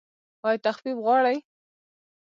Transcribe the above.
ایا تخفیف غواړئ؟